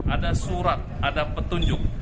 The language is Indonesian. ada surat ada petunjuk